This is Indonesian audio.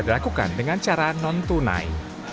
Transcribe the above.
dilakukan dengan cara non tunai